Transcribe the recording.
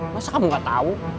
masa kamu gak tau